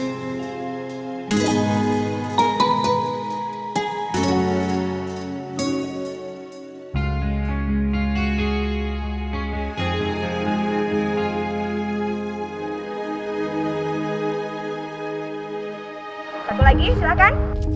satu lagi silahkan